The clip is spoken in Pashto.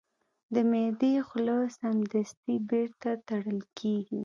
د معدې خوله سمدستي بیرته تړل کېږي.